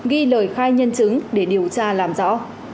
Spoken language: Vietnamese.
ghi lời khai nhân chứng để điều tra làm rõ